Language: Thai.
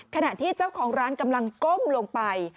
ขณะที่เจ้าของร้านกำลังก้มลงไป